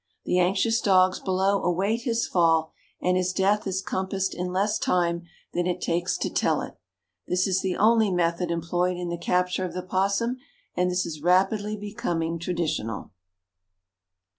The anxious dogs below await his fall, and his death is compassed in less time than it takes to tell it. This is the only method employed in the capture of the opossum, and this is rapidly becoming traditional."